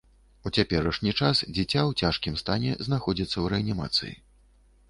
У цяперашні час дзіця ў цяжкім стане знаходзіцца ў рэанімацыі.